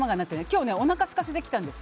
今日、おなかすかせてきたんです。